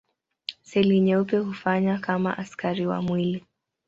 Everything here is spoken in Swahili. Seli nyeupe hufanya kama askari wa mwili.